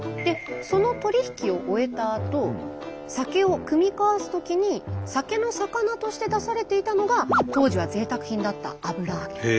その取り引きを終えたあと酒をくみ交わすときに酒の肴として出されていたのが当時はぜいたく品だった油揚げ。